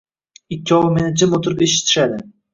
Ikkovi meni jim o`tirib eshitishdi